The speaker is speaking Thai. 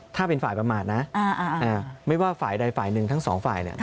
ถ้าเป็นฝ่ายประมาทนะไม่ว่าฝ่ายใดฝ่ายหนึ่งทั้งสองฝ่าย